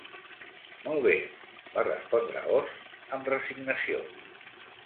"Molt bé", va respondre Oz, amb resignació.